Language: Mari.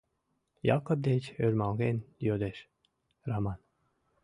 — Якып деч ӧрмалген йодеш Раман.